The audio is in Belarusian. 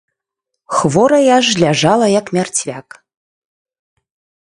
Хворая ж ляжала, як мярцвяк.